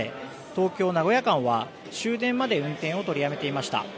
東京名古屋間は終電まで運転を取りやめていました。